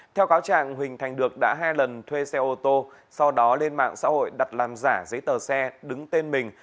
theo cáo trạng huỳnh thành được đã hai lần thuê xe ô tô sau đó lên mạng xã hội đặt làm giả giấy tờ xe đứng tên mình